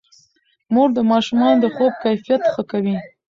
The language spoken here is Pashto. مور د ماشومانو د خوب کیفیت ښه کوي.